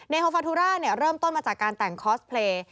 โฮฟาทุราเริ่มต้นมาจากการแต่งคอสเพลย์